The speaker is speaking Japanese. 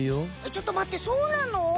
ちょっと待ってそうなの？